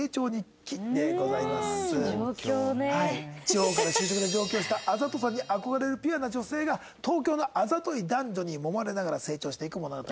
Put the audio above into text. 地方から就職で上京した「あざとさ」に憧れるピュアな女性が東京のあざとい男女にもまれながら成長していく物語。